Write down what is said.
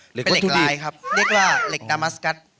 เป็นเหล็กดายครับเรียกว่าเหล็กดามัสกัส